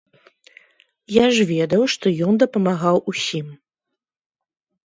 Я ж ведаў, што ён дапамагаў усім.